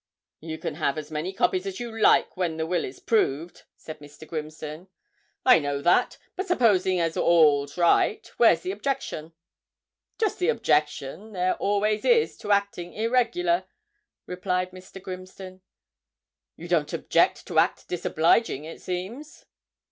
'You can have as many copies as you like when the will is proved,' said Mr. Grimston. 'I know that; but supposing as all's right, where's the objection?' 'Just the objection there always is to acting irregular,' replied Mr. Grimston. 'You don't object to act disobliging, it seems.'